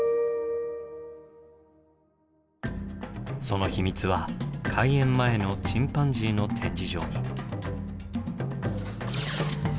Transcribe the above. その秘密は開園前のチンパンジーの展示場に。